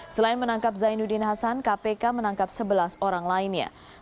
selain menangkap zainuddin hasan kpk menangkap sebelas orang lainnya